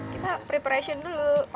kita preparation dulu pakai masker pin juga